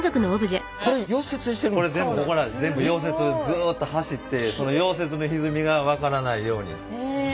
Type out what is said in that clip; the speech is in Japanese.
ずっと走ってその溶接のひずみが分からないように。